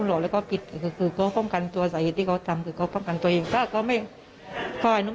เขาหลอกแล้วก็ปิดคือเขาป้องกันตัวสาเหตุที่เขาทำคือเขาป้องกันตัวเอง